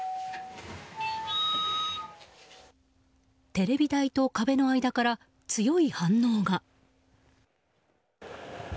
テレビ台と壁の間から強い反応が。